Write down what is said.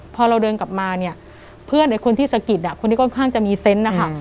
พอเราเดินกลับมาเนี่ยเพื่อนไอ้คนที่สะกิดคนที่ค่อนข้างจะมีเซนต์นะคะ